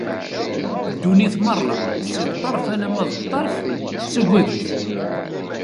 Ddunit merra, si ṭṭerf alamma d ṭṭerf, tettaggad-it.